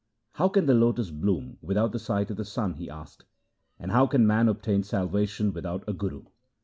' How can the lotus bloom without the sight of the sun,' he asked, ' and how can man obtain salvation without a guru